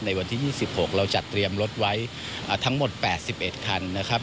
ในวันที่๒๖เราจัดเตรียมรถไว้ทั้งหมด๘๑คันนะครับ